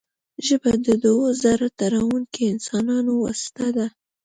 ژبه د دوو زړه تړونکو انسانانو واسطه ده